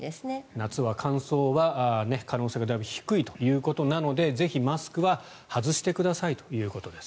夏は乾燥は可能性がだいぶ低いということなのでぜひマスクは外してくださいということです。